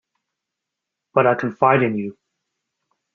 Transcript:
But I confide in you.